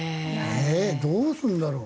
どうするんだろう？